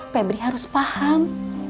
febri harus paham